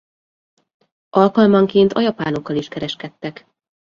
Alkalmanként a japánokkal is kereskedtek.